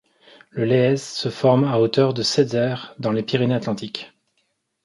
Le Léez se forme à hauteur de Sedzère dans les Pyrénées-Atlantiques.